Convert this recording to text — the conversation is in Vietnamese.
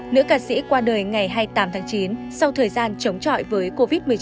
nữ ca sĩ qua đời ngày hai mươi tám tháng chín sau thời gian chống chọi với covid một mươi chín